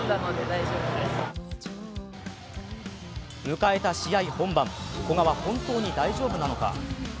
迎えた試合本番古賀は本当に大丈夫なのか。